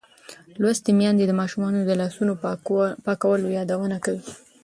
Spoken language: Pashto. لوستې میندې د ماشومانو د لاسونو پاکولو یادونه کوي.